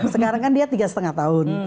sekarang kan dia tiga lima tahun